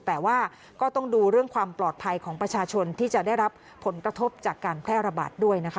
แต่ว่าก็ต้องดูเรื่องความปลอดภัยของประชาชนที่จะได้รับผลกระทบจากการแพร่ระบาดด้วยนะคะ